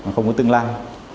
không có tương lai